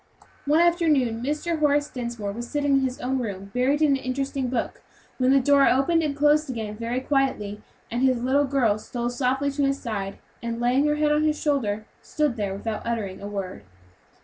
One afternoon Mr. Horace Dinsmore was sitting in his own room, buried in an interesting book, when the door opened and closed again very quietly, and his little girl stole softly to his side, and laying her head on his shoulder, stood there without uttering a word.